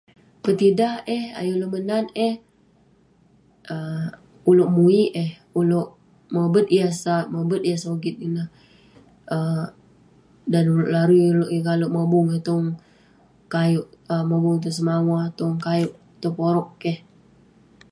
Petidah eh, ayuk ulouk menat eh um ulouk muik eh ; ulouk mobet yah sat, mobet yah sogit ineh. um Dan ulouk larui ulouk yeng kalek mobung eh tong kayouk um mobung eh tong semawa, tong kayouk tong porog. Keh.